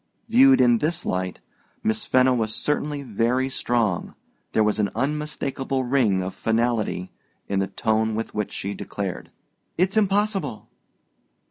Viewed in this light, Miss Fenno was certainly very strong: there was an unmistakable ring of finality in the tone with which she declared, "It's impossible."